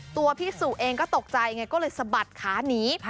ตัวพี่สุเองก็ตกใจไงก็เลยสะบัดขาหนี